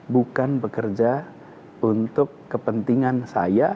bukan bekerja untuk kepentingan saya